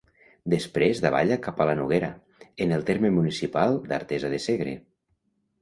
Després davalla cap a la Noguera, en el terme municipal d'Artesa de Segre.